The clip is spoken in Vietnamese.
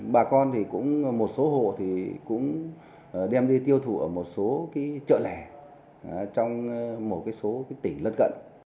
bà con của một số hộ đem đi tiêu thụ ở một chợ lẻ trong một tỉnh gần gần